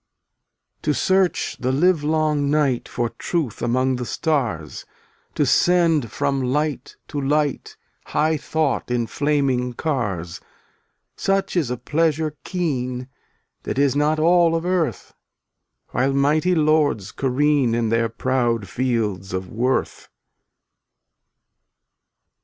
294 To search the livelong night For truth among the stars; To send from light to light High thought in flaming cars — Such is a pleasure keen That is not all of earth; While mighty lords careen In their proud fields of worth.